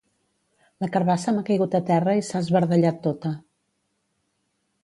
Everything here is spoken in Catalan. La carbassa m'ha caigut a terra i s'ha esbardellat tota.